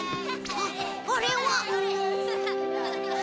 あっあれは。